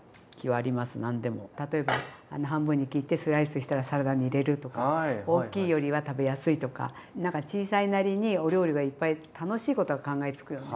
例えば半分に切ってスライスしたらサラダに入れるとか大きいよりは食べやすいとかなんか小さいなりにお料理がいっぱい楽しいことは考えつくよね。